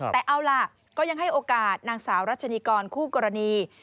แต่เอาล่ะก็ยังให้โอกาสนางสาวรัชนีกรคู่กรณี